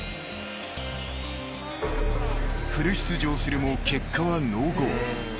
［フル出場するも結果は］